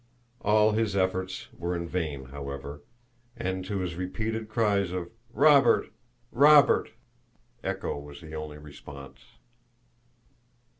All his efforts were in vain, however, and to his repeated cries of "Robert, Robert!" echo was the only response.